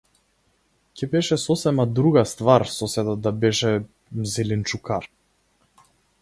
Ќе беше сосема друга ствар соседот да беше - зеленчукар.